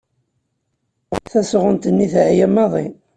Tasɣunt-nni teɛya maḍi.